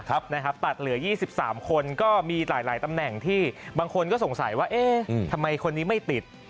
ตัดเหลือ๒๓คนก็มีหลายตำแหน่งที่บางคนก็สงสัยว่าเอ๊ะทำไมคนนี้ไม่ติด